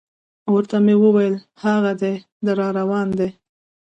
ورته مې وویل: هاغه دی را روان دی.